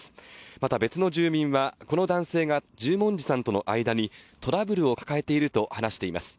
また別の住民は、この男性が十文字さんとの間にトラブルを抱えていると話しています。